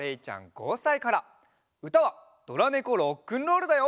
うたは「ドラネコロックンロール」だよ。